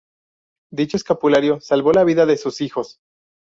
Dicho escapulario salvó la vida de sus hijos.